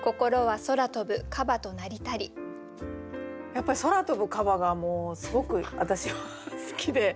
やっぱり「空飛ぶカバ」がもうすごく私は好きで。